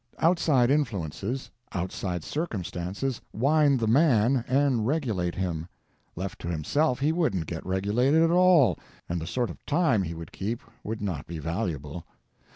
Outside influences, outside circumstances, wind the MAN and regulate him. Left to himself, he wouldn't get regulated at all, and the sort of time he would keep would not be valuable.